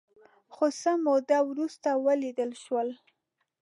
خو څه موده وروسته ولیدل شول